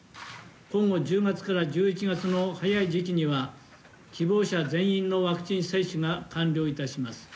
今後、１０月から１１月の早い時期には、希望者全員のワクチン接種が完了いたします。